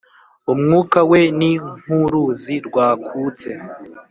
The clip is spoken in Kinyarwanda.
Umwuka we ni nk’uruzi rwakutse,